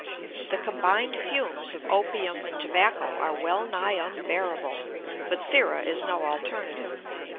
The combined fumes of opium and tobacco are well nigh unbearable, but thera is no alternative.